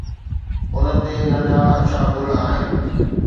ان تي ننڍا اڇا گل آهن